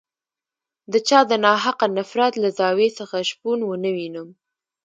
د چا د ناحقه نفرت له زاویې څخه شپون ونه وینم.